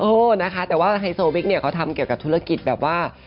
นะคะแต่ว่าไฮโซบิ๊กเนี่ยเขาทำเกี่ยวกับธุรกิจแบบว่า